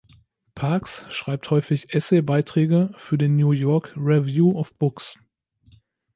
Parks schreibt häufig Essay-Beiträge für den New York Review of Books.